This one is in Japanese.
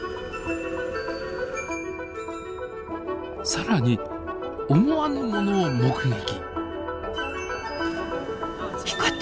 更に思わぬものを目撃。